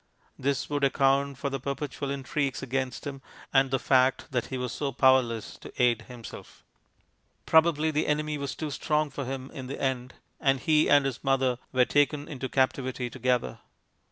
This would account for the perpetual intrigues against him, and the fact that he was so powerless to aid himself. Probably the enemy was too strong for him in the end, and he and his mother were taken into captivity together.